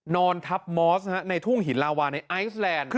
นอนทับมอสในทุ่งหินลาวาในไอซแลนด์